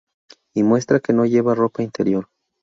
Y muestra que no lleva ropa interior.